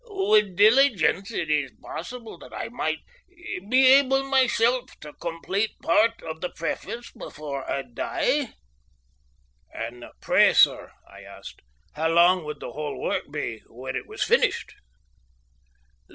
With diligence it is possible that I might be able myself to complete part of the preface before I die." "And pray, sir," I asked, "how long would the whole work be when it was finished?"